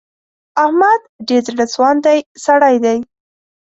احمد ډېر زړه سواندی سړی دی.